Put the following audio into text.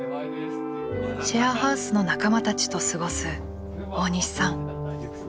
シェアハウスの仲間たちと過ごす大西さん。